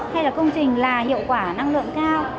hay là công trình là hiệu quả năng lượng cao